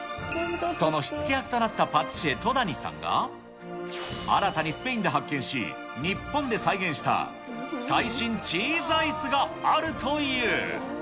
その火付け役となったパティシエ、戸谷さんが、新たにスペインで発見し、日本で再現した最新チーズアイスがあるという。